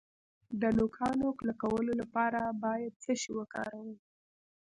د نوکانو کلکولو لپاره باید څه شی وکاروم؟